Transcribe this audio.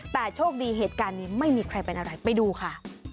แต่โชคดีเหตุการณ์นี้ไม่มีใครเป็นอะไรไปดูค่ะ